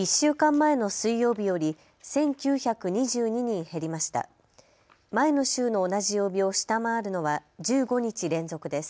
前の週の同じ曜日を下回るのは１５日連続です。